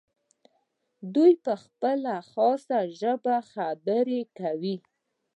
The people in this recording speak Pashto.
دوی په خپله خاصه ژبه خبرې کوي.